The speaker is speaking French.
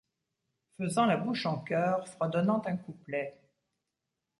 Faisant la bouche en coeur, fredonnant un couplet